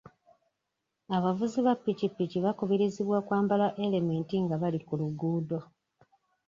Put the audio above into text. Abavuzi ba piki piki bakubirizibwa okwambala elementi nga bali ku luguudo